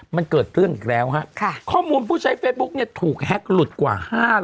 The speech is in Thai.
มันเกิดเรื่องอีกแล้วฮะข้อมูลผู้ใช้เฟซบุ๊กเนี่ยถูกแฮ็กหลุดกว่า๕๐๐